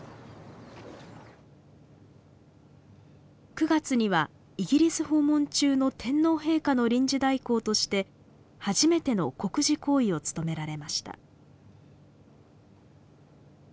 ９月にはイギリス訪問中の天皇陛下の臨時代行として初めての国事行為を務められました。